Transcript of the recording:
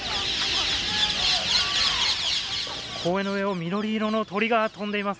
公園の上を緑色の鳥が飛んでいます。